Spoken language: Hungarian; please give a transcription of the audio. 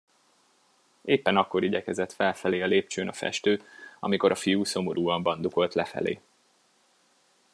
Éppen akkor igyekezett felfelé a lépcsőn a festő, amikor a fiú szomorúan bandukolt lefelé.